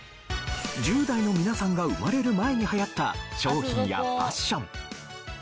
１０代の皆さんが生まれる前に流行った商品やファッション。